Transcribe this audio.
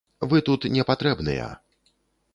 Вы тут не патрэбныя!